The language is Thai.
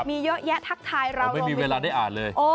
มีเยอะแยะทักทายเราไม่มีเวลาได้อ่านเลย